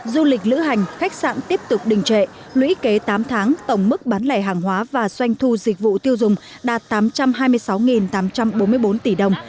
du lịch lữ hành khách sạn tiếp tục đình trệ lũy kế tám tháng tổng mức bán lẻ hàng hóa và doanh thu dịch vụ tiêu dùng đạt tám trăm hai mươi sáu tám trăm bốn mươi bốn tỷ đồng